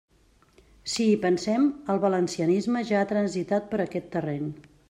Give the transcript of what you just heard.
Si hi pensem, el valencianisme ja ha transitat per aquest terreny.